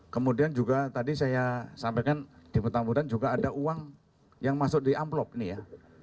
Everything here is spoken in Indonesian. kemudian juga tadi saya sampaikan di petamburan juga ada uang yang masuk di amplop ini ya